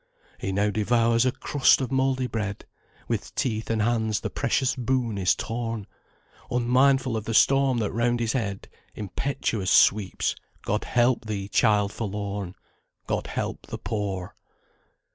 He now devours a crust of mouldy bread; With teeth and hands the precious boon is torn; Unmindful of the storm that round his head Impetuous sweeps. God help thee, child forlorn! God help the poor!